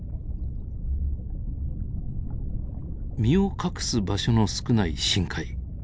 身を隠す場所の少ない深海。